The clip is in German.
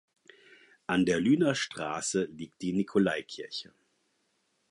An der Lüner Straße liegt die Nikolaikirche.